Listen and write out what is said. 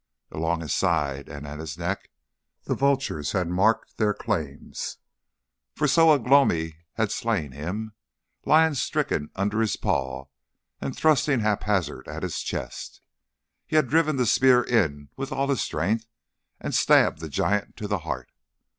Along his side and at his neck the vultures had marked their claims. For so Ugh lomi had slain him, lying stricken under his paw and thrusting haphazard at his chest. He had driven the spear in with all his strength and stabbed the giant to the heart.